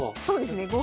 そうですね